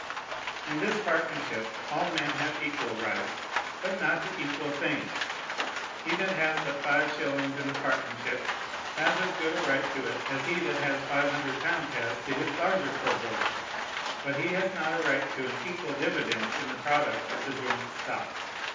In this partnership all men have equal rights; but not to equal things. He that has but five shillings in the partnership has as good a right to it as he that has five hundred pounds has to his larger proportion; but he has not a right to an equal dividend in the product of the joint stock.